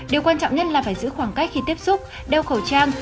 điều quan trọng nhất là phải giữ khoảng cách khi tiếp xúc đeo khẩu trang